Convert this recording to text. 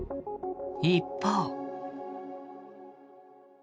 一方。